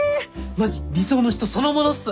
マジ理想の人そのものっす！